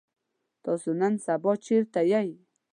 تاسو نن سبا چرته يئ؟